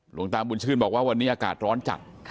หลวงตาบุญชื่นบอกว่าวันนี้อากาศร้อนจัด